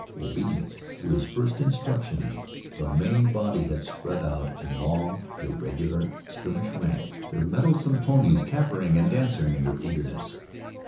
Obedient to his first instructions, the main body had spread out in long, irregular skirmish rank, their mettlesome ponies capering and dancing in their eagerness.